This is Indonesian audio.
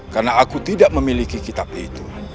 karena aku tidak memiliki kitab itu